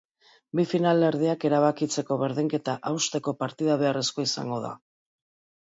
Bi finalerdiak erabakitzeko berdinketa hausteko partida beharrezkoa izango da.